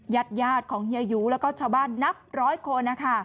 ญาติของเฮียหยูแล้วก็ชาวบ้านนับร้อยคน